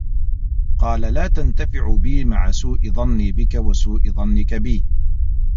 قَالَ لَا تَنْتَفِعُ بِي مَعَ سُوءِ ظَنِّي بِك وَسُوءِ ظَنِّك بِي